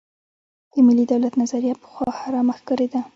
د ملي دولت نظریه پخوا حرامه ښکارېده.